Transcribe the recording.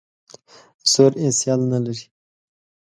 زور یې سیال نه لري.